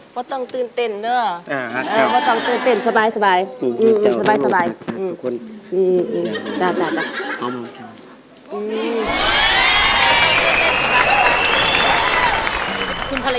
แล้วตอนนี้เพลงที่๙คุณฟ้า